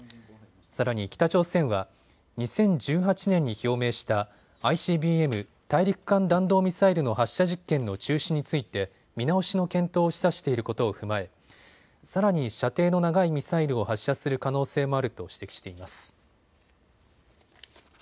さらに北朝鮮は２０１８年に表明したＩＣＢＭ・大陸間弾道ミサイルの発射実験の中止について見直しの検討を示唆していることを踏まえさらに射程の長いミサイルを発射する可能性もあると指摘しています。